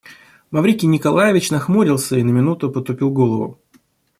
Маврикий Николаевич нахмурился и на минуту потупил голову.